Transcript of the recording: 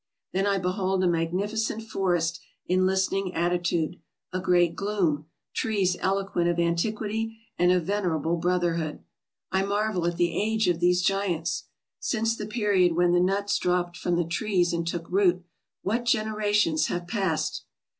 Then I behold a magnificent forest in listening attitude, a great gloom, trees eloquent of antiquity and of venerable brotherhood. I marvel at the age of these giants. Since the period when the nuts dropped from the trees and took root, what generations have passed